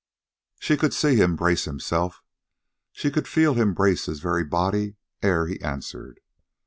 She could see him brace himself. She could feel him brace his very body ere he answered.